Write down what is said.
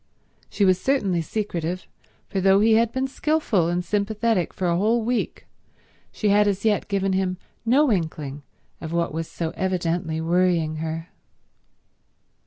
She was certainly secretive, for though he had been skilful and sympathetic for a whole week, she had as yet given him no inkling of what was so evidently worrying her.